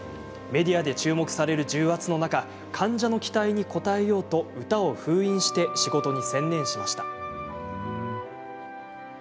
メディアで注目される重圧の中患者の期待に応えようと歌を封印して仕事に専念しました。